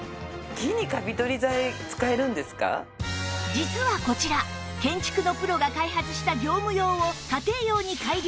実はこちら建築のプロが開発した業務用を家庭用に改良